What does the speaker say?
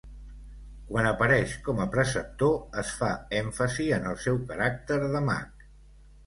Quan apareix com a preceptor es fa èmfasi en el seu caràcter de mag.